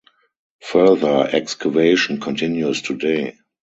Further excavation continues today.